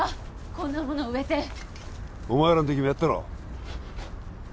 こんなもの植えてお前らの時もやったろ？